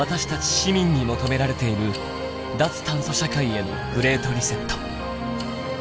市民に求められている脱炭素社会へのグレート・リセット。